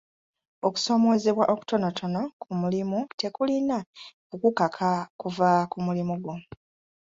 Okusoomoozebwa okutonotono ku mulimu tekulina kukukaka kuva ku mulimu gwo.